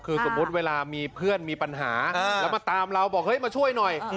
คือสมมุติเวลามีเพื่อนมีปัญหาแล้วมาตามเราบอกเฮ้ยมาช่วยหน่อย